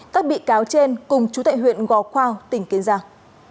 các bị cáo trên cùng chủ tệ huyện gò khoa tỉnh kiên giang